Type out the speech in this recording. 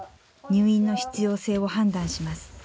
入院の必要性を判断します。